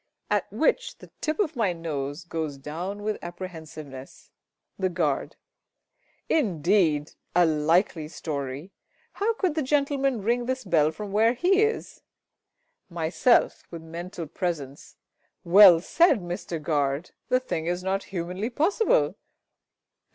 [At which the tip of my nose goes down with apprehensiveness. The Guard. Indeed! A likely story! How could the gentleman ring this bell from where he is? Myself (with mental presence). Well said, Mister GUARD! The thing is not humanly possible.